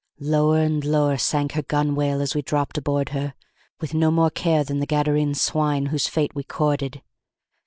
Lower and lower sank her gunwale as we dropped aboard her, with no more care than the Gadarene swine whose fate we courted.